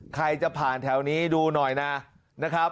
ใครจะผ่านแถวนี้ดูหน่อยนะครับ